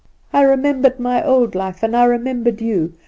I remember my old life, and I remember you.